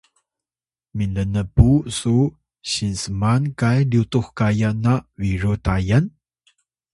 minlnpuw su “Sinsman Kay Lyutux Kayan na Biru Tayan”?